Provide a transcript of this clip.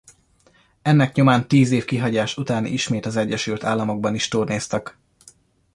Ennek nyomán tíz év kihagyás után ismét az Egyesült Államokban is turnéztak.